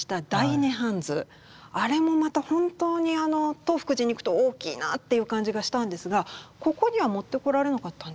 あれもまた本当に東福寺に行くと大きいなっていう感じがしたんですがここには持ってこられなかったんですか？